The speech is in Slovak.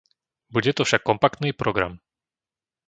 Bude to však kompaktný program.